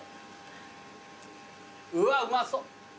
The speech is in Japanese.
うわうまそう。